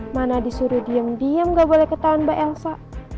mana disuruh diem diem gak boleh ketahuan mbak elsa